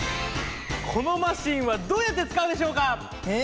このマシンはどうやってつかうでしょうか⁉え